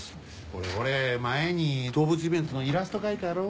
ほれほれ前に動物イベントのイラスト描いたやろ？